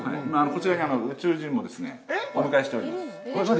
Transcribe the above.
こちらに宇宙人もお迎えしております。